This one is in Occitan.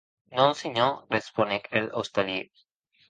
Non senhor, responec er ostalièr.